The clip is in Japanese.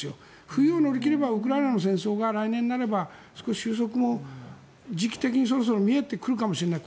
冬を乗り切ればウクライナの戦争が来年になれば、時期的に終息もそろそろ見えてくるかもしれない。